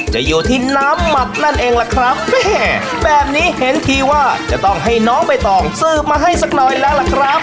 จะอยู่ที่น้ำหมักนั่นเองล่ะครับแบบนี้เห็นทีว่าจะต้องให้น้องใบตองสืบมาให้สักหน่อยแล้วล่ะครับ